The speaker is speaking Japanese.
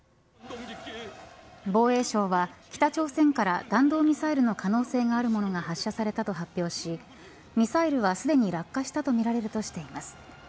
防衛省は北朝鮮から弾道ミサイルの可能性があるものが発射されたと発表しミサイルはすでに落下したとみられるとしています。